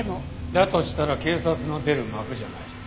だとしたら警察の出る幕じゃない。